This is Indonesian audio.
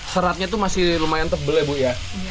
seratnya itu masih lumayan tebel ya bu ya